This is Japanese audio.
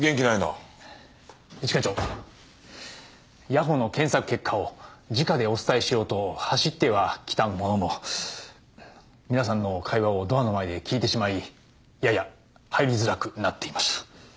谷保の検索結果をじかでお伝えしようと走ってはきたものの皆さんの会話をドアの前で聞いてしまいやや入りづらくなっていました。